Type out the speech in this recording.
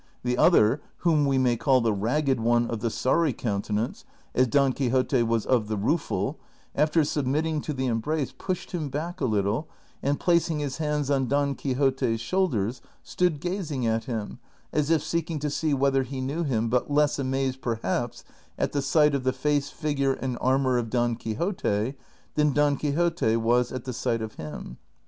The other, whom we may call the Ragged One of the Sorry Countenance, as Don Quixote was of the Rueful, after submitting to the embrace pushed him back a little and, placing his hands on Don Quixote's shoulders, stood gazing at him as if seeking to see whether he knew him, not less aniazed, perhaps, at the sight of the face, figure, and armor of Don Quixote than Don Quixote was at the sight of him.